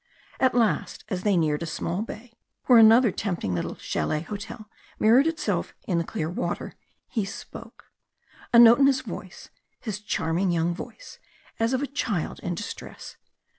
At last, as they neared a small bay where another tempting little chalet hotel mirrored itself in the clear water, he spoke. A note in his voice his charming young voice as of a child in distress.